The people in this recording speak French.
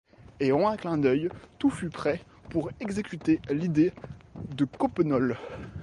En un clin d’œil tout fut prêt pour exécuter l’idée de Coppenole.